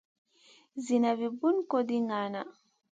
Ziina vu Bun kogndi ngaana.